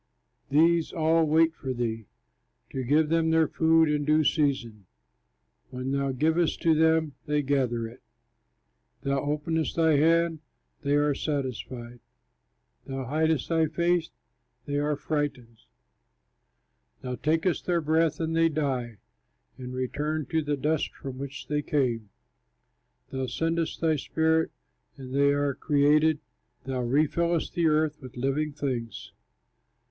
These all wait for thee, To give them their food in due season. When thou givest to them, they gather it; Thou openest thy hand, they are satisfied. Thou hidest thy face, they are frightened; Thou takest their breath, they die, And return to the dust from which they came. Thou sendest thy spirit, and they are created; Thou refillest the earth with living things.